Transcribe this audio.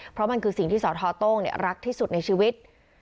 เพราะมันคือสิ่งที่สทโต้งรักที่สุดในชีวิต